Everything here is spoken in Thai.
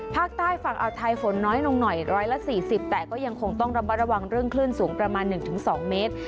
ภาคใต้ฝั่งอาวไทยฝนน้อยลงหน่อย๑๔๐แต่ก็ยังคงต้องระมัดระวังเรื่องคลื่นสูงประมาณ๑๒เมตร